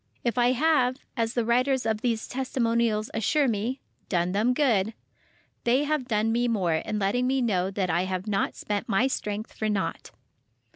If I have, as the writers of these testimonials assure me—"done them good,"—they have done me more in letting me know that I have not spent my strength for naught.